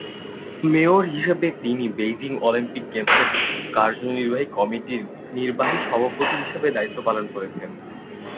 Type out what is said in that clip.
Mayor হিসেবে তিনি Beijing Olympic games কার্যনির্বাহী কমিটির নির্বাহী সভাপতি হিসেবে দায়িত্ব পালন করেছেন।